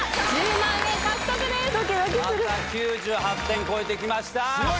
９８点超えて来ました。